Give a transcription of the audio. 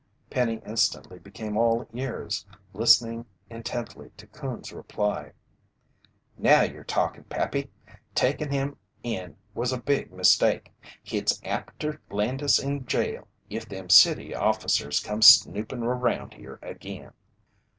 Penny instantly became all ears, listening intently to Coon's reply: "Now ye'r talkin', Pappy. Takin' him in was a big mistake. Hit's apt ter land us in jail if them city officers come snoopin' around here agin."